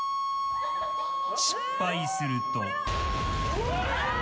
失敗すると。